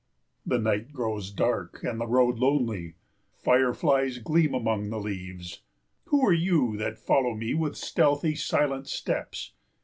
The night grows dark and the road lonely. Fireflies gleam among the leaves. Who are you that follow me with stealthy silent steps?